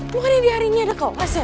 mungkin yang di hari ini ada kewasan